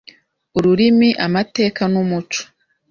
ururimi, amateka n’umuco.